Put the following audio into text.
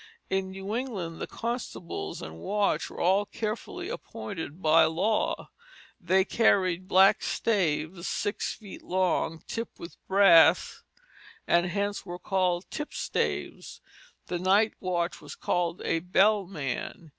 In New England the constables and watch were all carefully appointed by law. They carried black staves six feet long, tipped with brass, and hence were called tipstaves. The night watch was called a bell man.